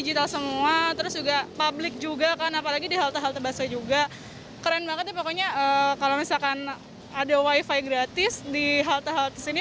kalau misalkan ada wi fi gratis di halte halte sini